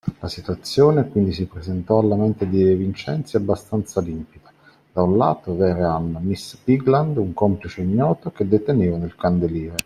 La situazione, quindi, si presentò alla mente di De Vincenzi abbastanza limpida: da un lato, Vehrehan, miss Bigland, un complice ignoto, che detenevano il candeliere;